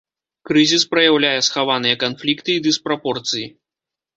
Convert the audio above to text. Крызіс праяўляе схаваныя канфлікты і дыспрапорцыі.